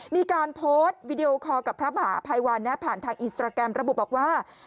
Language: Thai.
มีการโพสต์วีดีโอคอร์กับพระมหาภัยวันผ่านทางอินสตราแกรมระบุบอกว่า